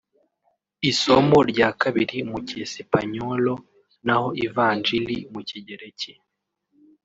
isomo rya kabiri mu Cyesipanyolo naho ivanjili mu Kigereki